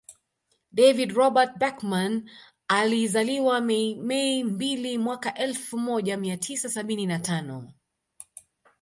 David Robert Beckham alizaliwa Mei Mbili mwaka elfu moja mia tisa sabini na tano